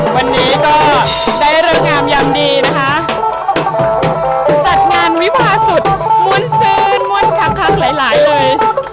วันนี้ก็ได้เลิกงามยามดีนะคะจัดงานวิภาสุดม้วนซื้นม้วนค้างค้างหลายหลายเลย